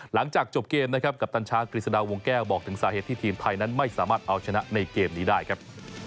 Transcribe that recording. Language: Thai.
หลังจากจบเกมนะครับกัปตันชากฤษฎาวงแก้วบอกถึงสาเหตุที่ทีมไทยนั้นไม่สามารถเอาชนะในเกมนี้ได้ครับ